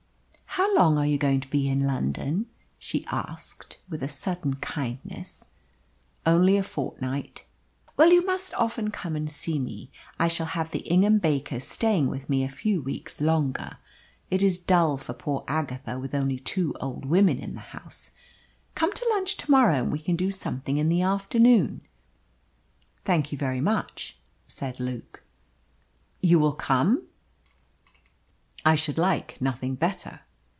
"How long are you to be in London?" she asked, with a sudden kindness. "Only a fortnight." "Well, you must often come and see me. I shall have the Ingham Bakers staying with me a few weeks longer. It is dull for poor Agatha with only two old women in the house. Come to lunch to morrow, and we can do something in the afternoon." "Thank you very much," said Luke. "You will come?" "I should like nothing better."